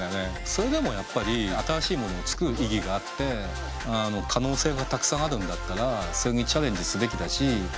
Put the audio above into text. それでもやっぱり新しいものを作る意義があって可能性がたくさんあるんだったらそれにチャレンジすべきだし。